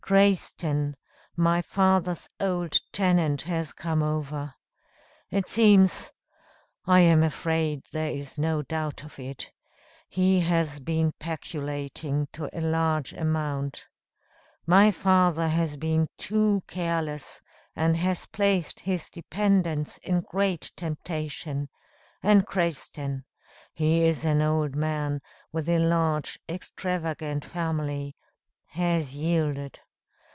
Crayston (my father's old tenant) has come over. It seems I am afraid there is no doubt of it he has been peculating to a large amount. My father has been too careless, and has placed his dependents in great temptation; and Crayston he is an old man, with a large extravagant family has yielded.